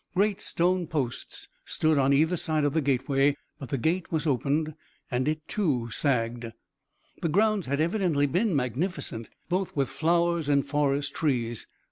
Great stone posts stood on either side of the gateway, but the gate was opened, and it, too, sagged. The grounds had evidently been magnificent, both with flowers and forest trees.